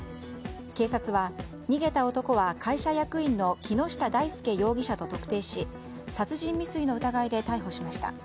警察は逃げた男は会社役員の木下大助容疑者と特定し殺人未遂の疑いで逮捕しました。